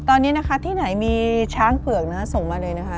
ตอนนี้นะคะที่ไหนมีช้างเผือกนะคะส่งมาเลยนะคะ